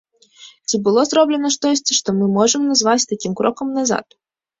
Ці было зроблена штосьці, што мы можам назваць такім крокам назад?